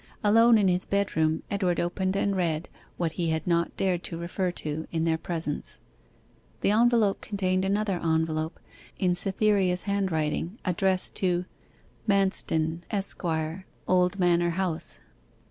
Alone in his bedroom Edward opened and read what he had not dared to refer to in their presence. The envelope contained another envelope in Cytherea's handwriting, addressed to ' Manston, Esq., Old Manor House.